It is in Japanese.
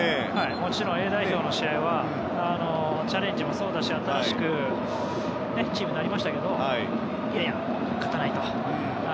もちろんＡ代表の試合はチャレンジもそうだし新しいチームになりましたがいやいや、勝たないと。